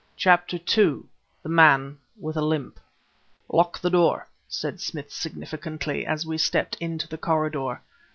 CHAPTER II THE MAN WITH THE LIMP "Lock the door!" said Smith significantly, as we stepped into the corridor.